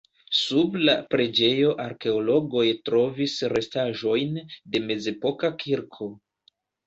Sub la preĝejo arkeologoj trovis restaĵojn de mezepoka kirko.